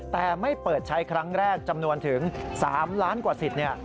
แต่ไม่เปิดใช้ครั้งแรกจำนวนถึง๓ล้านกว่าสิทธิ์